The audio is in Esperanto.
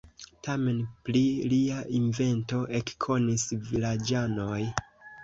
Tamen pri lia invento ekkonis vilaĝanoj.